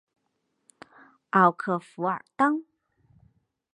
奥克弗尔当。